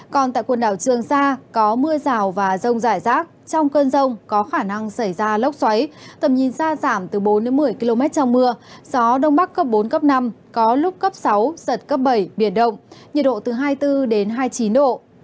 còn tại quần đảo trường sa có mưa rào và rông rải rác trong cơn rông có khả năng xảy ra lốc xoáy tầm nhìn xa giảm từ bốn một mươi km trong mưa gió đông bắc cấp bốn cấp năm có lúc cấp sáu giật cấp bảy biển động nhiệt độ từ hai mươi bốn đến hai mươi chín độ